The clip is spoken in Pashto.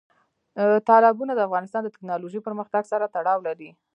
تالابونه د افغانستان د تکنالوژۍ پرمختګ سره تړاو لري.